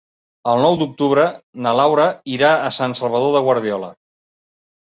El nou d'octubre na Laura irà a Sant Salvador de Guardiola.